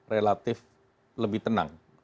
relatif lebih tenang